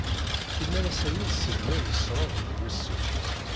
Imalas aya segmi ay yesred deg wusu.